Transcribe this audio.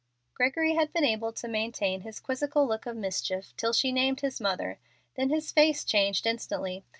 Gregory had been able to maintain his quizzical look of mischief till she named his mother; then his face changed instantly.